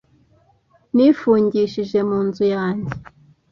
Nifungishije mu nzu yanjye